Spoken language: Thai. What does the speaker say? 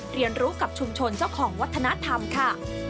เรียนรู้กับชุมชนเจ้าของวัฒนธรรมค่ะ